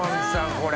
これ。